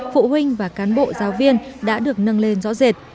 phụ huynh và cán bộ giáo viên đã được nâng lên rõ rệt